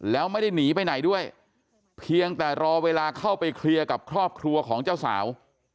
แล้วไม่ได้หนีไปไหนด้วยเพียงแต่รอเวลาเข้าไปเคลียร์กับครอบครัวของเจ้าสาว